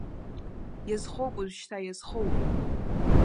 Иазхоуп уажәшьҭа, иазхоуп!